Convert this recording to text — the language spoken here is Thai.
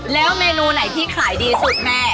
แล้วเมนูไหนที่ขายดีสุดแม่